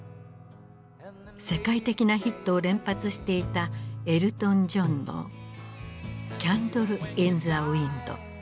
世界的なヒットを連発していたエルトン・ジョンの「キャンドル・イン・ザ・ウインド」。